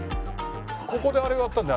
ここであれをやったんだよ。